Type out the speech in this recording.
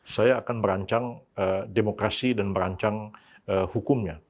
saya akan merancang demokrasi dan merancang hukumnya